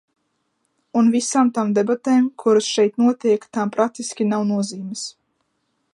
Un visām tām debatēm, kuras šeit notiek, tām praktiski nav nozīmes.